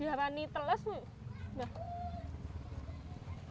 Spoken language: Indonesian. biaran ini telas mbak